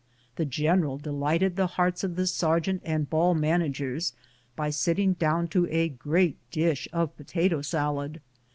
The general delighted the hearts of the sergeant and ball managers by sitting down to a great dish of potato salad.